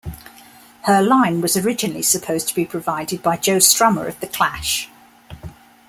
Her line was originally supposed to be provided by Joe Strummer of The Clash.